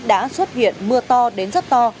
đã xuất hiện mưa to đến rất to